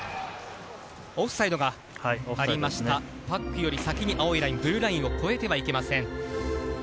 オフサイドがありました、パックより先にブルーラインを越えてはいけません。